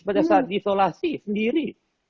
pada saat diisolasi sendiri